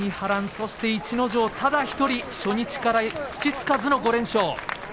そして逸ノ城、ただ１人初日から土つかずの５連勝。